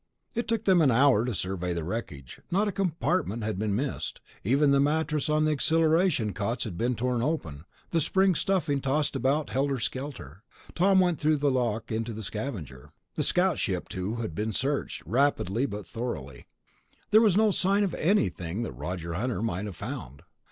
It took them an hour to survey the wreckage. Not a compartment had been missed. Even the mattresses on the accelleration cots had been torn open, the spring stuffing tossed about helter skelter. Tom went through the lock into the Scavenger; the scout ship too had been searched, rapidly but thoroughly. But there was no sign of anything that Roger Hunter might have found.